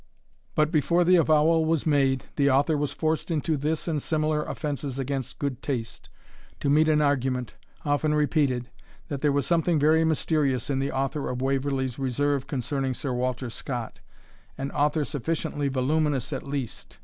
But before the avowal was made, the author was forced into this and similar offences against good taste, to meet an argument, often repeated, that there was something very mysterious in the Author of Waverley's reserve concerning Sir Walter Scott, an author sufficiently voluminous at least.